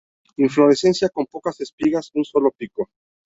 Inflorescencia con pocas espigas; un solo pico.